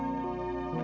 tidak ada apa apa